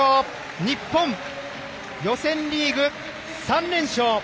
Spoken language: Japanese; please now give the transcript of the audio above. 日本、予選リーグ３連勝。